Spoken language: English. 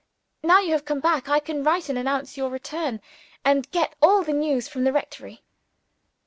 "Now you have come back, I can write and announce your return, and get all the news from the rectory."